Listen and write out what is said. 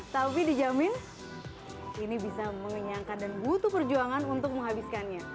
tapi dijamin ini bisa mengenyangkan dan butuh perjuangan untuk menghabiskannya